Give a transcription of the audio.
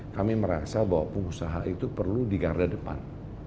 kami merasa bahwa pengusaha itu perlu digarda depan